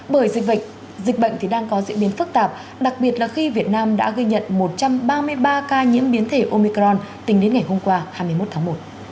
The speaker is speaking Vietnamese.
bởi dịch bệnh đang có diễn biến phức tạp đặc biệt là khi việt nam đã ghi nhận một trăm ba mươi ba ca nhiễm biến thể omicron tính đến ngày hôm qua hai mươi một tháng một